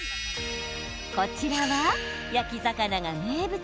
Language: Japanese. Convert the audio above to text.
こちらは、焼き魚が名物。